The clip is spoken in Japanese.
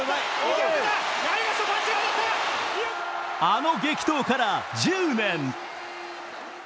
あの激闘から１０年。